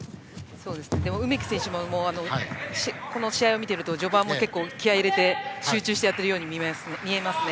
でも、梅木選手も試合を見ていると序盤も結構気合いを入れて集中してやっているように見えますね。